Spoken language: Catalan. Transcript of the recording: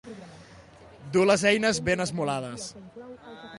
Dur les eines ben esmolades.